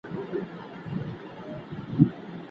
که حمامونه پاک وساتل سي، نو د پوستکي ناروغۍ نه خپریږي.